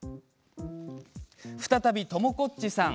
再び、ともこっちさん。